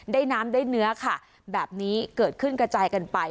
ได้น้ำได้เนื้อค่ะแบบนี้เกิดขึ้นกระจายกันไป